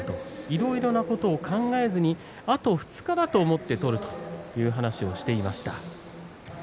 いろいろなことを考えずにあと２日だと思って取るとそういう話をしていました。